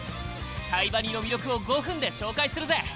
「タイバニ」の魅力を５分で紹介するぜ！